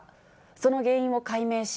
その原因を解明し、